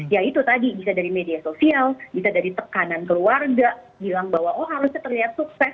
ya itu tadi bisa dari media sosial bisa dari tekanan keluarga bilang bahwa oh harusnya terlihat sukses